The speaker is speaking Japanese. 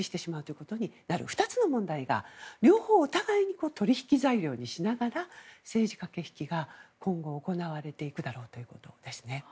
この２つの問題が両方お互いに取引材料にしながら政治駆け引きが今後行われていくだろうということですね。